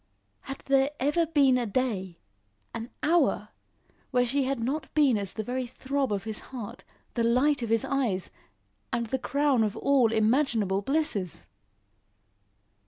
Had there ever been a day an hour when she had not been as the very throb of his heart, the light of his eyes, and the crown of all imaginable blisses?